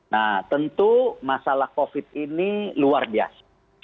nah tentu masalah covid ini luar biasa